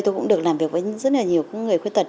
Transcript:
tôi cũng được làm việc với rất là nhiều người khuyết tật